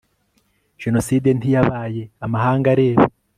jenoside ntiyabaye amahanga areba